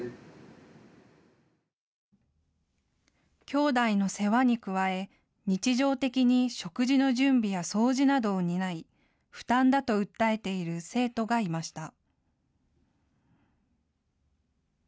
きょうだいの世話に加え日常的に食事の準備や掃除などを担い、負担だと訴えている生徒がいました。